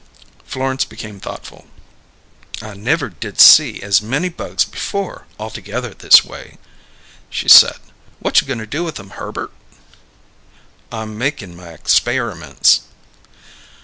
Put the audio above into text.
Florence became thoughtful. "I never did see as many bugs before, all together this way," she said. "What you goin' to do with 'em, Herbert?" "I'm makin' my expairaments."